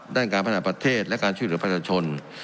ด้านการพัฒนาประเทศและการช่วยเหลือประชาชน